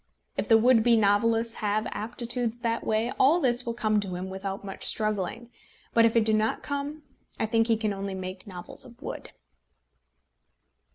If the would be novelist have aptitudes that way, all this will come to him without much struggling; but if it do not come, I think he can only make novels of wood.